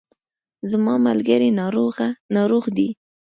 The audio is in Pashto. زما ملګری ناروغ دی